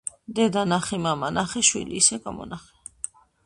დედა ნახე მამა ნახე შვილი ისე გამონახე